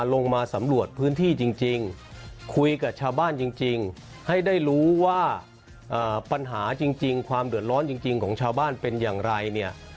ลงมาสำรวจพื้นที่จริงคุยกับชาวบ้านจริงให้ได้รู้ว่าปัญหาจริงความเดือดร้อนจริงของชาวบ้านเป็นอย่างไรเนี่ย